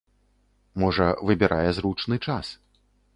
Можа, выбірае зручны час.